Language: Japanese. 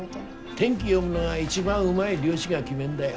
天気読むのが一番うまい漁師が決めんだよ。